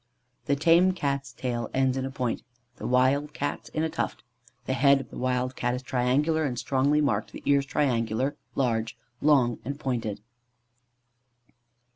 The tame Cat's tail ends in a point; the wild Cat's in a tuft. The head of the wild Cat is triangular and strongly marked, the ears triangular, large, long and pointed.